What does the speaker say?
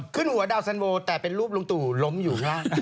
ขึ้นหัวดาวสันโวแต่เป็นรูปลุงตู่ล้มอยู่ข้างล่าง